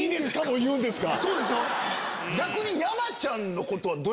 逆に。